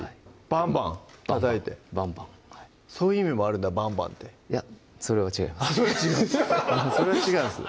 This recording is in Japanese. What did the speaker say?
バンバンたたいてバンバンそういう意味もあるんだ「バンバン」っていやそれは違います